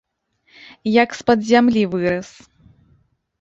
Як з-пад зямлі вырас!